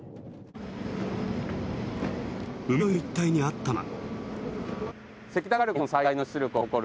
海沿いの一帯にあったのは。